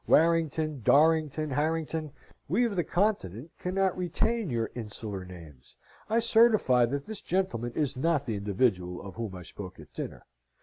"Warrington, Dorrington, Harrington? We of the continent cannot retain your insular names. I certify that this gentleman is not the individual of whom I spoke at dinner."